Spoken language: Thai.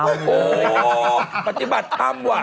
โอ้โหปฏิบัติธรรมว่ะ